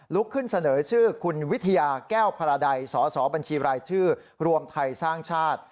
ลุกขึ้นเสนอชื่อคุณวิทยาแก้วพลาไดสบชพไทยสร้างชาติ